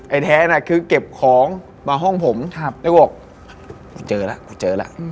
ไอ้แท้น่ะคือเก็บของมาห้องผมแล้วก็บอกเจอล่ะ